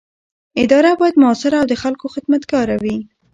اداره باید مؤثره او د خلکو خدمتګاره وي.